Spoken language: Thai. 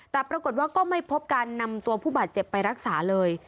แต่ปรากฏว่าก็ไม่พบการนำตัวผู้บาดเจ็บไปรักษาเลย